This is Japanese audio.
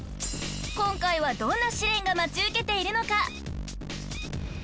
［今回はどんな試練が待ち受けているのか？］